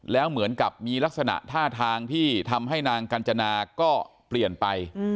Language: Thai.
แล้วเหมือนกับมีลักษณะท่าทางที่ทำให้นางกัญจนาก็เปลี่ยนไป